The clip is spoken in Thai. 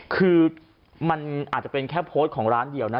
คือมันอาจจะเป็นแค่โพสต์ของร้านเดียวนะ